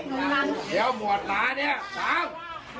ไม่ง่ายแล้วน่ะวันจะตั้งไม่ได้ง่าย